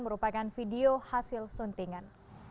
merupakan video hasil suntingan